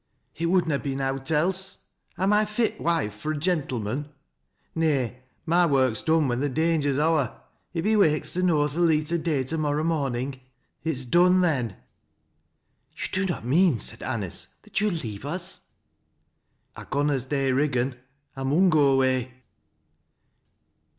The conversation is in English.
" It would na be nowt else. Am / fit wife fur a gen tlemen ? Nay, my work's done when the danger's ower. If he wakes to know th' leet o' day to morrow morning, it's done then." " Tou do not mean," said Anice, " that you will leave us?" " I conna stay i' Kiggan ; I mun go away."